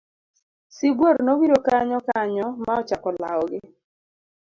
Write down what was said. Sibuor nobiro kanyo kanyo ma ochako lawogi.